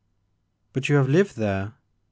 ''" But you have lived there ?